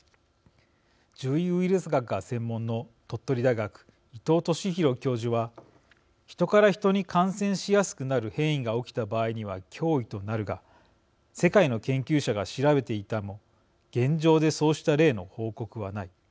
獣医ウイルス学が専門の鳥取大学、伊藤壽啓教授は「ヒトからヒトに感染しやすくなる変異が起きた場合には脅威となるが世界の研究者が調べていても現状でそうした例の報告はない。